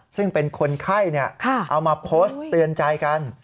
ซึ่งเป็นคนไข้เอามาโพสต์เตือนใจกัน